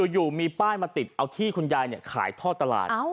อยู่มีป้ายมาติดเอาที่คุณยายขายท่อตลาด